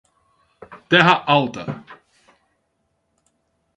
Terra Alta